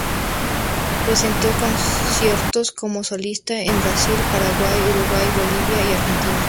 Presentó conciertos como solista en Brasil, Paraguay, Uruguay, Bolivia y Argentina.